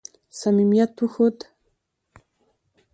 صمیمیت وښود.